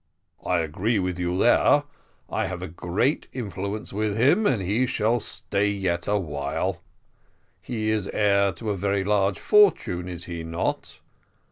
"I agree with you there I have great influence with him, and he shall stay yet awhile. He is heir to a very large fortune, is he not?"